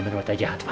sabar buat apa apa